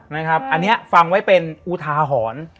นะครับอันนี้ฟังไว้เป็นอุทาหอน